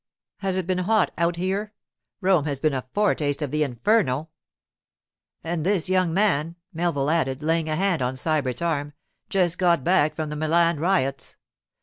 Has it been hot out here? Rome has been a foretaste of the inferno.' 'And this young man,' Melville added, laying a hand on Sybert's arm, 'just got back from the Milan riots.